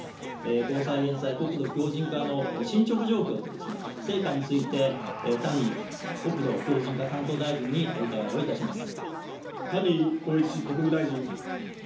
防災・減災、国土強じん化の進捗状況と、成果について、谷国土強靭化担当大臣にお伺いをいたします。